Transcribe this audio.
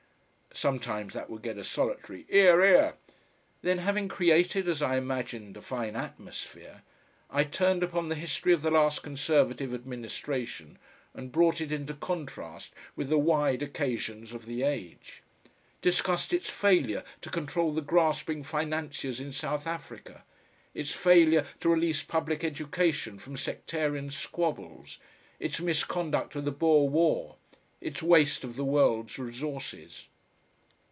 Sometimes that would get a solitary "'Ear! 'ear!" Then having created, as I imagined, a fine atmosphere, I turned upon the history of the last Conservative administration and brought it into contrast with the wide occasions of the age; discussed its failure to control the grasping financiers in South Africa, its failure to release public education from sectarian squabbles, its misconduct of the Boer War, its waste of the world's resources....